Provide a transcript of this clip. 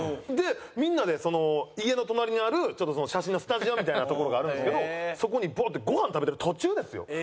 でみんなで家の隣にあるちょっと写真のスタジオみたいな所があるんですけどそこにごはん食べてる途中ですよ。